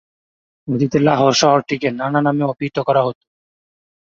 অতীতে লাহোর শহরটিকে নানা নামে অভিহিত করা হত।